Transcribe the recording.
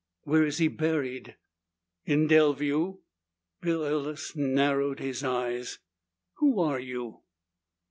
"Where is he buried?" "In Delview." Bill Ellis narrowed his eyes. "Who are you?"